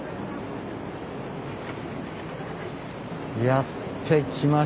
やって来ました。